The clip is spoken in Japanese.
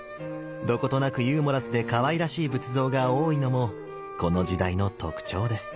どことなくユーモラスでかわいらしい仏像が多いのもこの時代の特徴です。